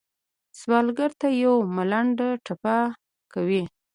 سوالګر ته یو ملنډه ټپي کوي